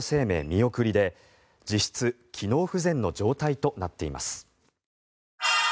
見送りで実質、機能不全の状態となっています。